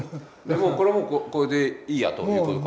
もうこれはこれでいいやということか。